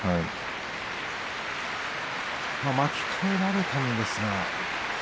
巻き替えられたんですが。